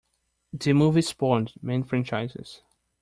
The movie spawned many franchises.